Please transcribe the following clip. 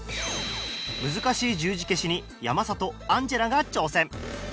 難しい十字消しに山里アンジェラが挑戦！